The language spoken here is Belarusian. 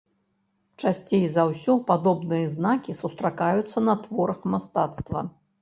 Часцей за ўсё падобныя знакі сустракаюцца на творах мастацтва.